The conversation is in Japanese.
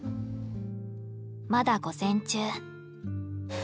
まだ午前中。